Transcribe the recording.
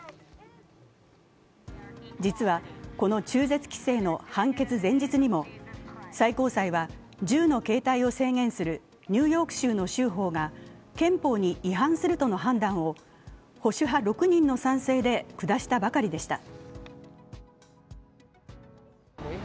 実は、この中絶規制の判決前日にも最高裁は銃の携帯を制限するニューヨーク州の州法が憲法に違反するとの判断を保守派６人の賛成で下したばかりでした。